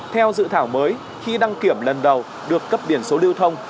theo dự thảo mới khi đăng kiểm lần đầu được cấp biển số lưu thông